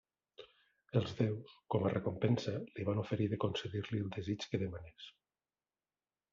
Els déus, com a recompensa, li van oferir de concedir-li el desig que demanés.